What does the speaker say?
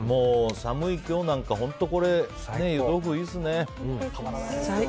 寒い今日なんか本当に湯豆腐いいですね。